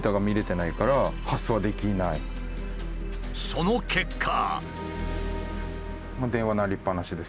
その結果。